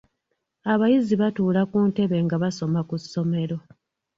Abayizi batuula ku ntebe nga basoma ku ssomero.